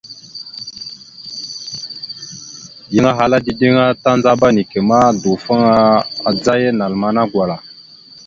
Yan ahalkala dideŋ a, tandzaba neke ma, dawəfaŋa adzaya naləmana gwala.